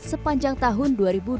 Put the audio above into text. sepanjang tahun dua ribu dua puluh